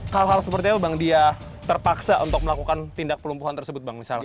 hal hal seperti apa bang dia terpaksa untuk melakukan tindak pelumpuhan tersebut bang misalnya